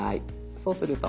そうすると。